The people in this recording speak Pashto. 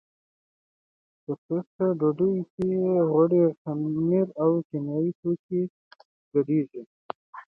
په ټوسټ ډوډۍ کې غوړي، خمیر او کیمیاوي توکي ګډېږي.